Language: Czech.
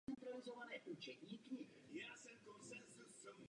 Mistrem Evropy se stalo družstvo Španělska.